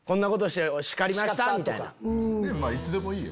いつでもいいよ。